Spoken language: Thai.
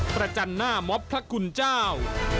ประจันทร์หน้ามอบพระคุณเจ้า